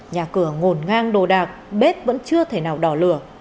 nhà cửa ngồn ngang đồ đạc bếp vẫn chưa thể nào đỏ lửa